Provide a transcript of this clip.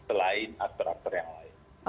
selain aktor aktor yang lain